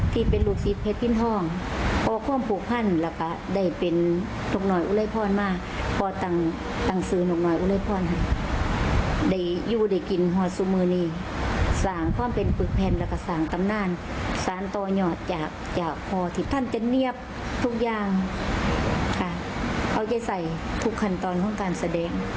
ทุกขันตอนของการแสดง